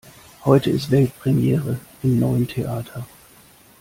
Heute ist Weltpremiere im neuen Theater.